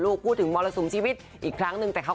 รอบบบบเรียนที่บ้านนะคะ